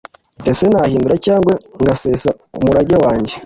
ese nahindura cyangwa ngasesa umurage wanjye?